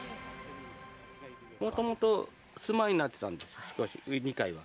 もともと住まいになってたんです、２階は。